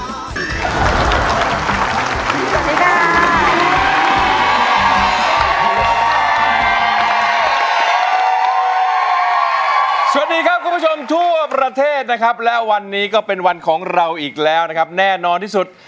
สวัสดีครับคุณผู้ชมทั่วประเทศนะครับและวันนี้ก็เป็นวันของเราอีกแล้วนะครับแน่นอนที่สุด